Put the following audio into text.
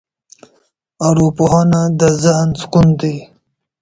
ارواپوهنه د ذهن سکون دی.